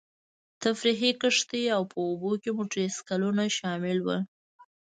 تفریحي کښتۍ او په اوبو کې موټرسایکلونه شامل وو.